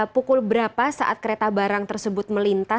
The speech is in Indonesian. pukul berapa saat kereta barang tersebut melintas